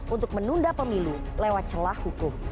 untuk menunda pemilu lewat celah hukum